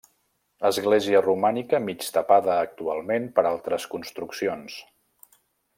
Església romànica mig tapada actualment per altres construccions.